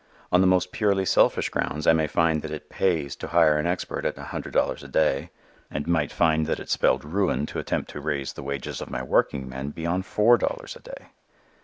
On the most purely selfish grounds I may find that it "pays" to hire an expert at a hundred dollars a day, and might find that it spelled ruin to attempt to raise the wages of my workingmen beyond four dollars a day.